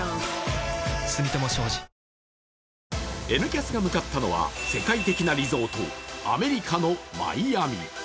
「Ｎキャス」が向かったのは世界的なリゾート、アメリカのマイアミ。